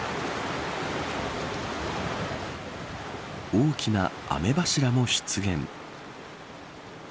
大きな雨柱も出現。